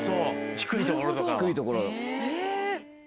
低いところ。